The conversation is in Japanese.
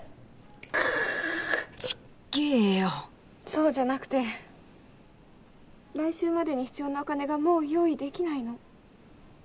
そうじゃなくて来週までに必要なお金がもう用意出来ないの。